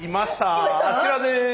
あちらです。